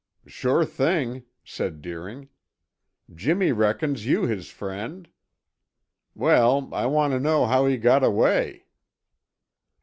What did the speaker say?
"Sure thing!" said Deering. "Jimmy reckons you his friend. Well, I want to know how he got away."